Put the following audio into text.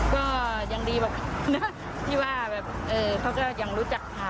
ก็ยังดีว่านี่ที่ว่าแบบเขาก็ยังรู้จักทำ